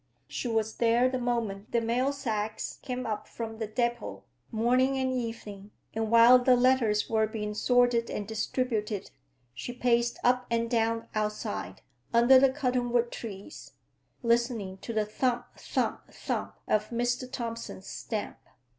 She was there the moment the mail sacks came up from the depot, morning and evening, and while the letters were being sorted and distributed she paced up and down outside, under the cottonwood trees, listening to the thump, thump, thump of Mr. Thompson's stamp.